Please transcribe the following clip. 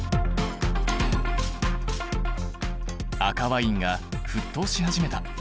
赤ワインが沸騰し始めた。